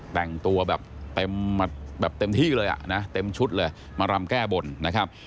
แต่งตัวแบบเต็มแบบเต็มที่เลยอ่ะนะเต็มชุดเลยมารำแก้บนนะครับ